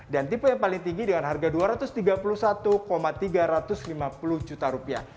dan tipe yang paling tinggi dengan harga dua ratus tiga puluh satu tiga ratus lima puluh juta rupiah